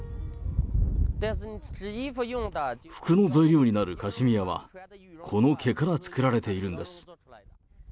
服の材料になるカシミヤは、この毛から作られているんです。